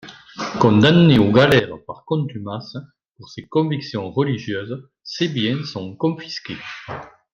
Condamné aux galères par contumace pour ses convictions religieuses, ses biens sont confisqués.